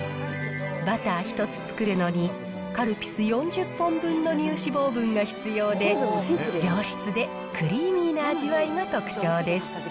バター１つ作るのに、カルピス４０本分の乳脂肪分が必要で、上質でクリーミーな味わいが特徴です。